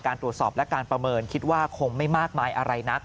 ตรวจสอบและการประเมินคิดว่าคงไม่มากมายอะไรนัก